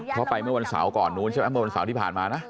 เพราะไปเมื่อวันเสาร์ก่อนนู้นใช่ไหมเมื่อวันเสาร์ที่ผ่านมานะ